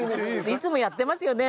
いつもやってますよね。